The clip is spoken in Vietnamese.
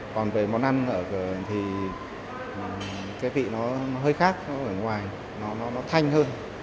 còn về món ăn thì cái vị nó hơi khác ở ngoài nó thanh hơn